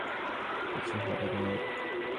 কিছু হবে না ওর।